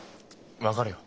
分かるよ。